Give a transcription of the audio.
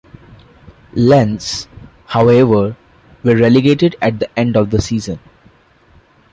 Lens, however, were relegated at the end of the season.